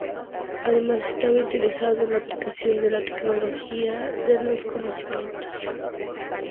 Además estaba interesado en la aplicación de la tecnología de los conocimientos.